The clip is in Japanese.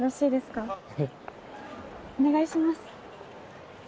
お願いします。